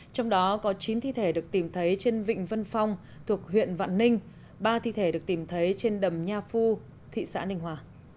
trong đó có chín thi thể được tìm thấy trên vịnh vân phong thuộc huyện vạn ninh ba thi thể được tìm thấy trên đầm nha phu thị xã ninh hòa